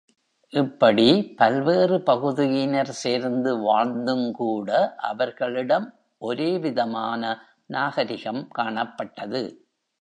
இப்படி, பல்வேறு பகுதியினர் சேர்ந்து வாழ்ந்துங்கூட அவர்களிடம் ஒரே விதமான நாகரிகம் காணப்பட்டது.